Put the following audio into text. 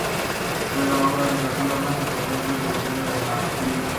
Fue la obra educativa más importante del gobierno de Martín Rodríguez.